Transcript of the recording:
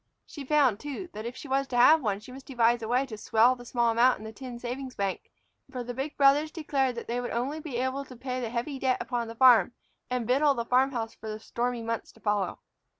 She found, too, that if she was to have one she must devise a way to swell the small amount in the tin savings bank; for the big brothers declared they would be able only to pay the heavy debt upon the farm and victual the house for the stormy months to follow.